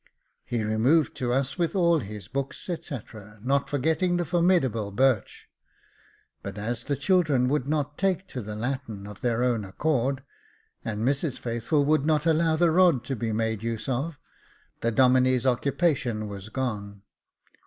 He removed to us with all his books, &c., not forgetting the formidable birch : but as the children would not take to the Latin Jacob Faithful 429 of their own accord, and Mrs Faithful would not allow the rod to be made use of, the Domine's occupation was gone.